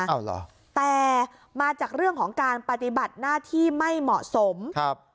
เอาเหรอแต่มาจากเรื่องของการปฏิบัติหน้าที่ไม่เหมาะสมครับ